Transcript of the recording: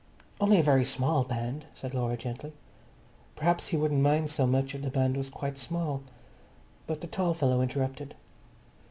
"Only a very small band," said Laura gently. Perhaps he wouldn't mind so much if the band was quite small. But the tall fellow interrupted.